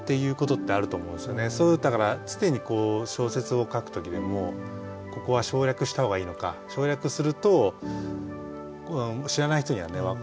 だから常に小説を書く時でもここは省略した方がいいのか省略すると知らない人にはね伝わらないかもしれないし。